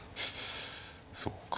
そっか。